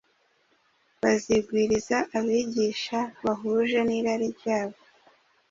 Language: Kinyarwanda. bazigwiriza abigisha bahuje n’irari ryabo;